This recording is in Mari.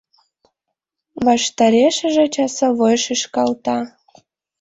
Ваштарешыже часовой шӱшкалта.